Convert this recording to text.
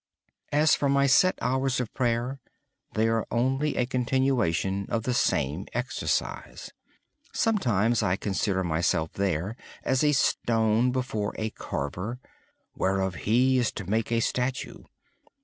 As for my set hours of prayer, they are simply a continuation of the same exercise. Sometimes I consider myself as a stone before a carver, whereof He is to make a statue.